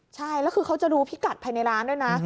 ใช่แล้วคือเขาจะรู้พิกัดภายในร้านด้วยนะ